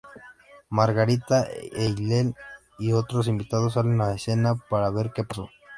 Margarita, Eileen, y otros invitados salen a escena para ver que pasó.